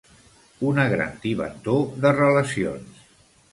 Una gran tibantor de relacions.